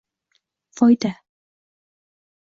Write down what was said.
Foyda